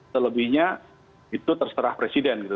selebihnya itu terserah presiden gitu